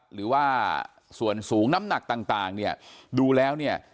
หรือว่าส่วนสูงน้ำหนักต่างเนี่ยดูแล้วเนี่ย